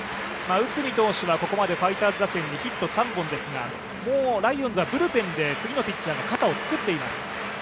内海投手はここまでファイターズ打線にヒット３本ですがライオンズはブルペンで次のピッチャーが肩を作っています。